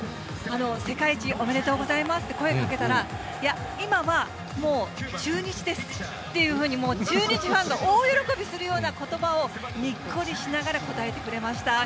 世界一おめでとうございますって声かけたら、いや、今は、もう中日ですっていうふうに、もう中日ファンが大喜びするようなことばをにっこりしながら答えてくれました。